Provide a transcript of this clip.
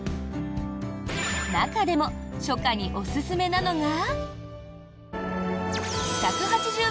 中でも初夏におすすめなのが。